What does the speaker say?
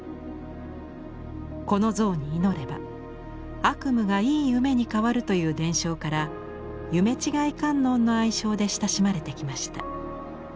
この像に祈れば悪夢がいい夢に変わるという伝承から「夢違観音」の愛称で親しまれてきました。